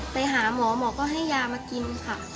ไปหาหมอหมอก็ให้ยามากินค่ะ